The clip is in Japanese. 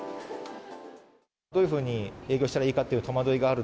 どういうふうに営業したらいいかっていう戸惑いがある。